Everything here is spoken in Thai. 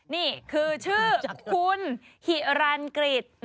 นี่คือชื่อคุณหิรันกฤษ